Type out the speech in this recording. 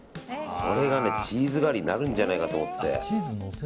これがチーズ代わりになるんじゃないかと思って。